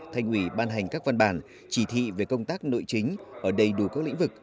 thành ủy ban hành các văn bản chỉ thị về công tác nội chính ở đầy đủ các lĩnh vực